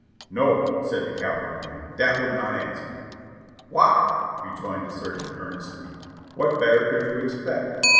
"No," said the cavalryman, "that would not answer." "Why," rejoined the surgeon earnestly, "what better could you expect?